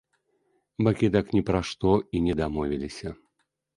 Бакі так ні пра што і не дамовіліся.